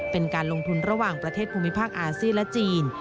เป็นการลงทุนระหว่างประเทศภูมิภาคอาเซียนและจีน